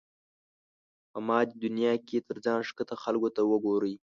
په مادي دنيا کې تر ځان ښکته خلکو ته وګورئ.